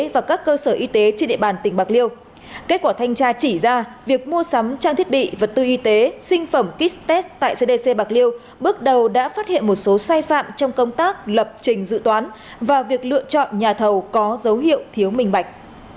và các cơ sở y tế trên địa bàn tỉnh bạc liêu kết quả thanh tra chỉ ra việc mua sắm trang thiết bị vật tư y tế sinh phẩm kit test tại cdc bạc liêu bước đầu đã phát hiện một số sai phạm trong công tác lập trình dự toán và việc lựa chọn nhà thầu có dấu hiệu thiếu minh bạch